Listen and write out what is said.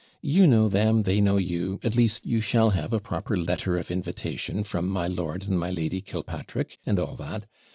You know them, they know you; at least you shall have a proper letter of invitation from my Lord and my Lady Killpatrick, and all that.